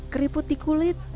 keriput di kulit